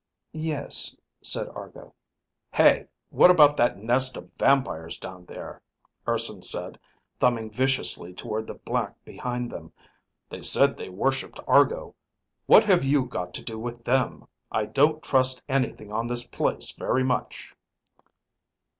"Yes," said Argo. "Hey, what about that nest of vampires down there," Urson said, thumbing viciously toward the black behind them. "They said they worshiped Argo. What have you got to do with them? I don't trust anything on this place very much."